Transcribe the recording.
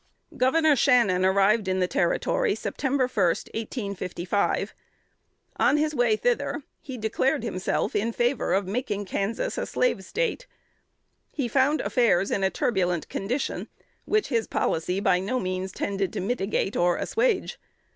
Gov. Shannon arrived in the Territory Sept. 1,1855. On his way thither, he declared himself in favor of making Kansas a Slave State. He found affairs in a turbulent condition, which his policy by no means tended to mitigate or assuage.